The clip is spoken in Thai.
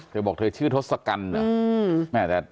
เธอบอกเธอชื่อโทสกันเหรอ